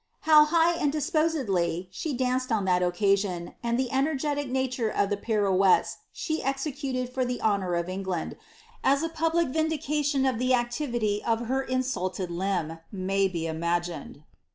How ^ high and disposedly" she danced on that occasion, and the energetic nature of the pirouettes she executed for the honour of England, as a public vindication of the activity of her insulted limb, may be imagined.